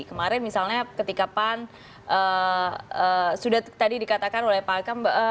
kemarin misalnya ketika pan sudah tadi dikatakan oleh pak kam